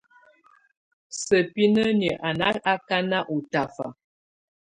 Sǝ́binǝniǝ́ á ná ákáná ɔ́ tafa.